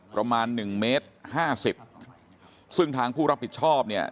ประมาณหนึ่งเมตรห้าสิบซึ่งทางผู้รับผิดชอบเนี่ย